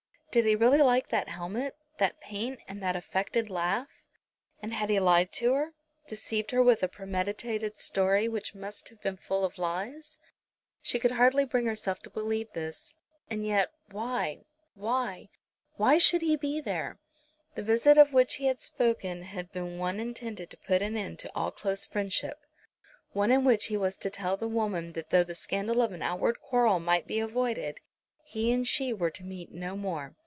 Did he really like that helmet, that paint and that affected laugh? And had he lied to her, deceived her with a premeditated story which must have been full of lies? She could hardly bring herself to believe this; and yet, why, why, why should he be there? The visit of which he had spoken had been one intended to put an end to all close friendship, one in which he was to tell the woman that though the scandal of an outward quarrel might be avoided, he and she were to meet no more.